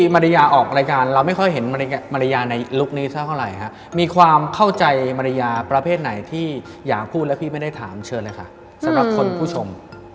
มริยาในลุคนี้เท่าไหร่มีความเข้าใจมริยาประเภทไหนที่อยากพูดแล้วพี่ไม่ได้ถามเชิญเลยค่ะสำหรับคนผู้ชม